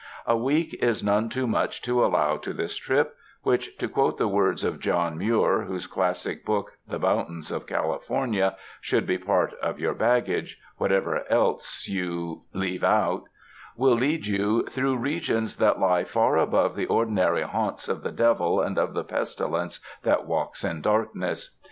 A week is none too much to allow to this trip, which — to quote the words of John Muir, whose classic book ''The Mountains of California" should be part of your baggage, whatever else you 66 A camp in the Yosemite, with a view of the famous Falls THE MOUNTAINS leave out — will lead you ''through regions that lie far above the ordinary haunts of the devil and of the pestilence that walks in darkness."